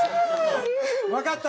わかった？